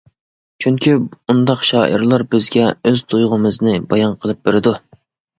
چۈنكى، ئۇنداق شائىرلار بىزگە ئۆز تۇيغۇمىزنى بايان قىلىپ بېرىدۇ.